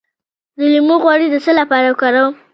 د لیمو غوړي د څه لپاره وکاروم؟